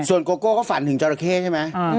ส่วนโกโก้ก็ฝันถึงจอราเคใช่ไหม